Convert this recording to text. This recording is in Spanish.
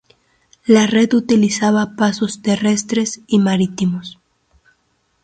La Red utilizaba pasos terrestres y marítimos.